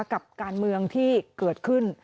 กับการเมืองที่เกิดขึ้น